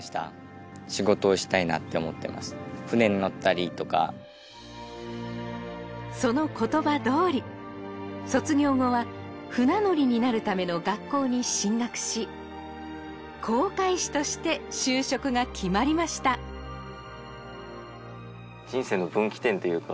船に乗ったりとかその言葉どおり卒業後は船乗りになるための学校に進学し航海士として就職が決まりました人生の分岐点というか